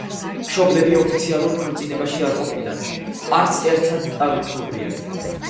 მშობლები ოფიციალურ ქორწინებაში არ ყოფილან, არც ერთად არ უცხოვრიათ.